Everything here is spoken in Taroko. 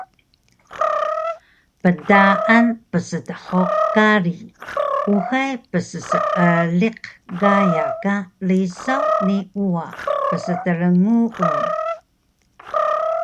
Pdaan psdhug kari uxay psseeliq gaya ka risaw ni uwa pstrngun